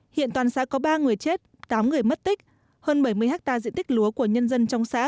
hiện toàn xã có ba người chết tám người mất tích hơn bảy mươi hectare diện tích lúa của nhân dân trong xã